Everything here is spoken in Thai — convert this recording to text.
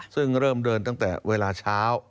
ซึ่งเริ่มเดินตั้งแต่เวลาเช้า